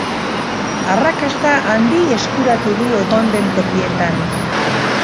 Arrakasta handi eskuratu du egon den tokietan.